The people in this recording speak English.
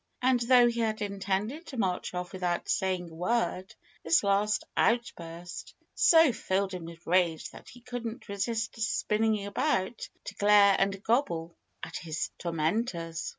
And though he had intended to march off without saying a word, this last outburst so filled him with rage that he couldn't resist spinning about to glare and gobble at his tormentors.